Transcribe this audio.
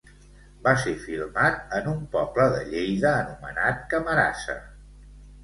Va ser filmat en un poble de Lleida anomenat Camarasa.